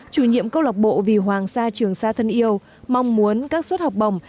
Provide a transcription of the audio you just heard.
chủ nhiệm câu lọc bộ vì hoàng sa trường sa thân yêu mong muốn các suất học bổng